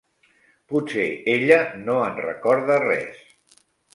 Potser ella no en recorda res.